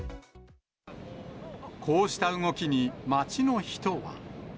こうした動きに街の人は。